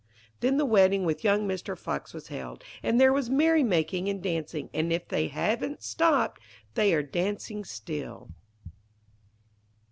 Then the wedding with young Mr. Fox was held, and there was merry making and dancing, and if they haven't stopped, they are dancing still.